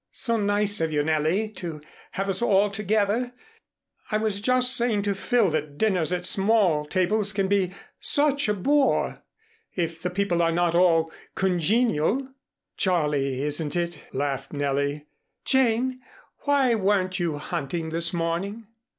"So nice of you, Nellie, to have us all together! I was just saying to Phil that dinners at small tables can be such a bore, if the people are not all congenial." "Jolly, isn't it?" laughed Nellie. "Jane, why weren't you hunting this morning?"